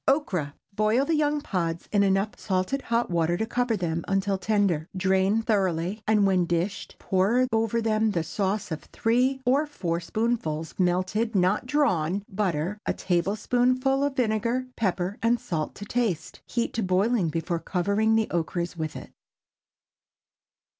OKRA. Boil the young pods, in enough salted hot water to cover them, until tender. Drain thoroughly, and when dished pour over them a sauce of three or four spoonfuls melted (not drawn) butter, a tablespoonful of vinegar, pepper, and salt to taste. Heat to boiling before covering the okras with it.